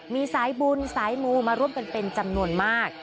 มีสายบุญสายมูมาร่วมกันเป็นจำนวนมาก